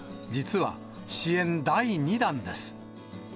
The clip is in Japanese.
実は、支援第２弾です。